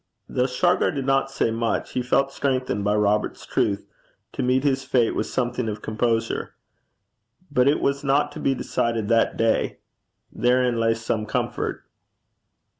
Though Shargar did not say much, he felt strengthened by Robert's truth to meet his fate with something of composure. But it was not to be decided that day. Therein lay some comfort.